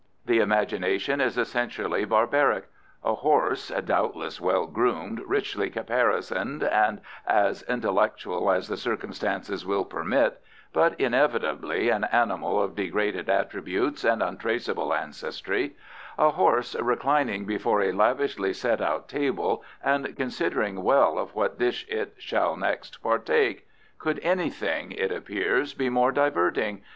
The imagination is essentially barbaric. A horse doubtless well groomed, richly caparisoned, and as intellectual as the circumstances will permit, but inevitably an animal of degraded attributes and untraceable ancestry a horse reclining before a lavishly set out table and considering well of what dish it shall next partake! Could anything, it appears, be more diverting!